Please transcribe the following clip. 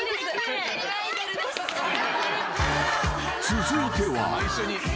［続いては］